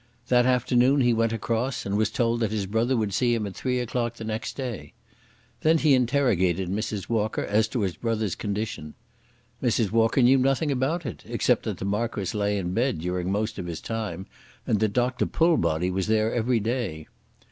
That afternoon he went across, and was told that his brother would see him at three o'clock the next day. Then he interrogated Mrs. Walker as to his brother's condition. Mrs. Walker knew nothing about it, except that the Marquis lay in bed during the most of his time, and that Dr. Pullbody was there every day.